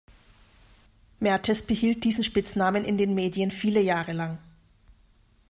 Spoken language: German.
Mertes behielt diesen Spitznamen in den Medien viele Jahre lang.